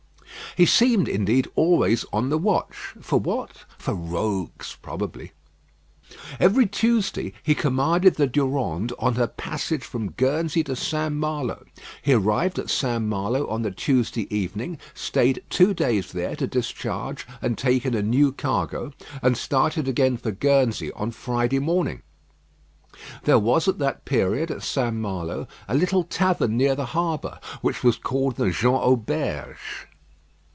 He seemed, indeed, always on the watch for what? For rogues probably. Every Tuesday he commanded the Durande on her passage from Guernsey to St. Malo. He arrived at St. Malo on the Tuesday evening, stayed two days there to discharge and take in a new cargo, and started again for Guernsey on Friday morning. There was at that period, at St. Malo, a little tavern near the harbour, which was called the "Jean Auberge."